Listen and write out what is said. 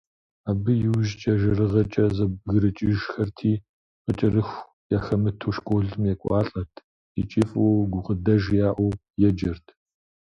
Абы иужькӏэ жэрыгъэкӏэ зэбгрыкӏыжхэрти, къыкӏэрыху яхэмыту, школым екӏуалӏэрт икӏи фӏыуэ, гукъыдэж яӏэу еджэрт.